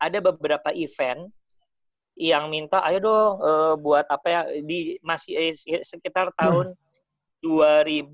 ada beberapa event yang minta ayo dong buat apa ya di masih sekitar tahun dua ribu sepuluh an ya